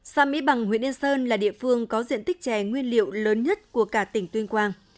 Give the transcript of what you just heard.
xã mỹ bằng huyện yên sơn là địa phương có diện tích chè nguyên liệu lớn nhất của cả tỉnh tuyên quang